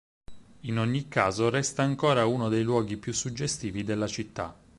In ogni caso resta ancora uno dei luoghi più suggestivi della città.